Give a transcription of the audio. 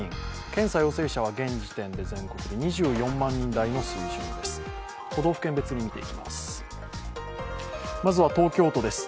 検査陽性者は現時点で全国で２４万人台の水準です。